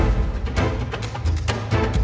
sebenernya kayak gini lagi